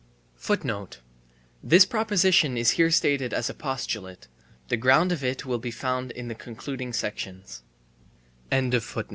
* This proposition is here stated as a postulate. The ground of it will be found in the concluding section.